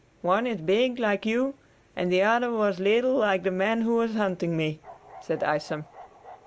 "One is big, like you, and the other was little like the man who was hunting me," said Isom.